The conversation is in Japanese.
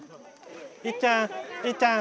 いっちゃん！いっちゃん！